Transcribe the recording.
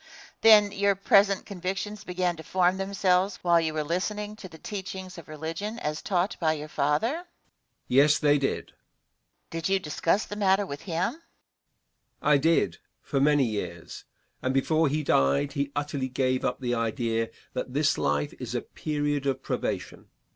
Question. Then your present convictions began to form themselves while you were listening to the teachings of religion as taught by your father? Answer. Yes, they did. Question. Did you discuss the matter with him? Answer. I did for many years, and before he died he utterly gave up the idea that this life is a period of probation.